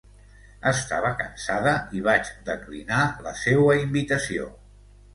Estava cansada i vaig declinar la seua invitació.